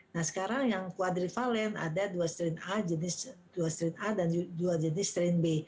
nah sekarang yang kuadrivalen ada dua strain a jenis a dan dua jenis strain b